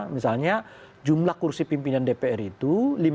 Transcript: misalnya jumlah kursi pimpinan dpr itu